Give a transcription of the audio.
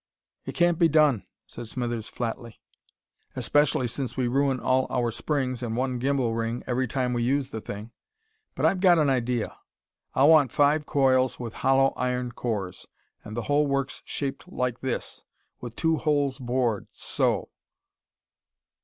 "It can't be done," said Smithers flatly. "Maybe not," agreed Tommy, "especially since we ruin all our springs and one gymbal ring every time we use the thing. But I've got an idea. I'll want five coils with hollow iron cores, and the whole works shaped like this, with two holes bored so...."